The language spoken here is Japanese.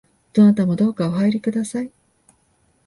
どなたもどうかお入りください